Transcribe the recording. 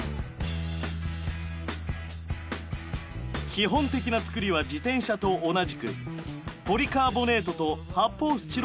基本的な作りは自転車と同じくポリカーボネートと発泡スチロールが使われている。